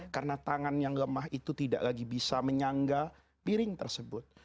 karena tangan yang lemah itu tidak lagi bisa menyangga piring tersebut